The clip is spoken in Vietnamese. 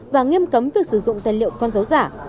và nghiêm cấm việc sử dụng tài liệu con dấu giả